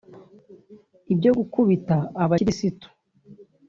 Ibyo gukubita abakirisitu